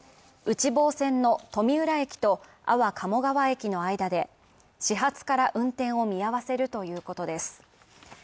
内房線の富浦駅と安房鴨川駅の間で始発から運転を見合わせるということです。